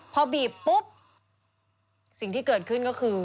พอบีบปุ๊บสิ่งที่เกิดขึ้นก็คือ